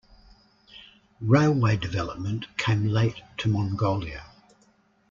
Railway development came late to Mongolia.